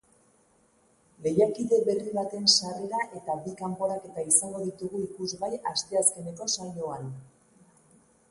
Lehiakide berri baten sarrera eta bi kanporaketa izango ditugu ikusgai asteazkeneko saioan.